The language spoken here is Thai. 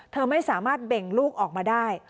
เธอไม่สามารถเบ่งลูกออกมาได้